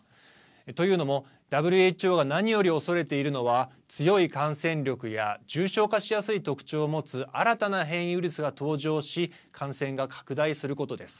というのもＷＨＯが何よりおそれているのは強い感染力や重症化しやすい特徴を持つ新たな変異ウイルスが登場し感染が拡大することです。